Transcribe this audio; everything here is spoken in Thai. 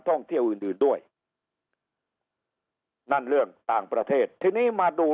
ท่องเที่ยวอื่นอื่นด้วยนั่นเรื่องต่างประเทศทีนี้มาดู